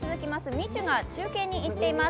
みちゅが中継に行っています。